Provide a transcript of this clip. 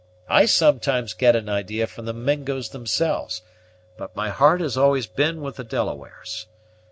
I sometimes get an idee from the Mingos themselves; but my heart has always been with the Delawares.